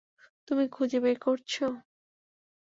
তুমি খুঁজে বের করেছো।